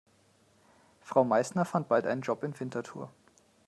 Frau Meißner fand bald einen Job in Winterthur.